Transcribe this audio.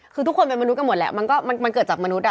คือทุกคนเป็นมนุษย์กันหมดแล้วมันเกิดจากมนุษย์